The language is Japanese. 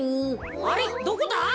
あれっどこだ？